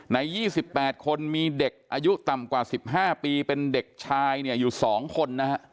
ใน๒๘คนมีเด็กอายุต่ำกว่า๑๕ปีเป็นเด็กชายเนี่ยอยู่๒คนนะฮะ